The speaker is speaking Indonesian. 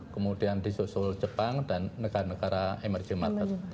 kemudian disusul jepang dan negara negara emerging market